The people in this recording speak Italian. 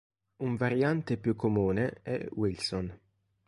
Un variante più comune è "Wilson".